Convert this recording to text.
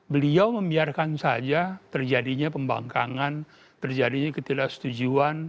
beliau membiarkan saja terjadinya pembangkangan terjadinya ketidaksetujuan